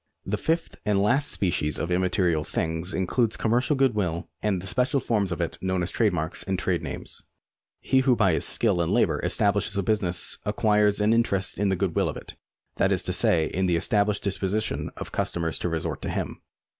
The fifth and last species of immaterial things includes com mercial good will and the special forms of it known as trade marks and trade names. He who by his skill and labour establishes a business acquires thereby an interest in the good will of it, that is to say, in the established disposition of customers to resort to him.